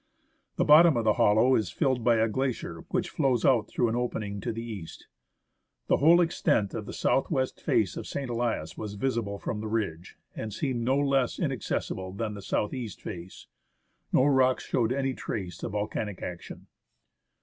The bottom of the hollow is filled by a glacier which flows out through an opening to the east. The whole extent of the south west face of St. Elias was visible from the ridge, and seemed no less inaccessible than the south east face. No rocks showed any trace of volcanic action.